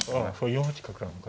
４八角なのか。